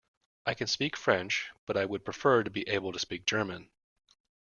I can speak French, but I would prefer to be able to speak German